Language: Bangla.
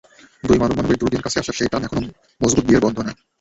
দুই মানব-মানবীর দুর্দিন কাছে আসার সেই টান এখন মজবুত বিয়ের বন্ধনে।